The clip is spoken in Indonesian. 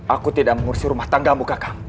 aku tidak mengurusi rumah tangga mu kakak